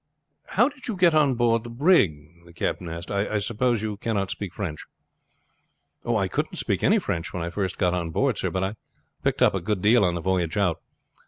"How did you get on on board the brig?" the captain asked. "I suppose you cannot speak French?" "I couldn't speak any French when I first was got on board, sir, but I picked up a great deal on the voyage out.